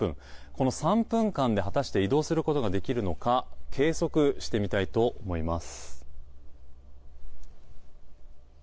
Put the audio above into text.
この３分間で、果たして移動することができるのか計測してみたいと思います。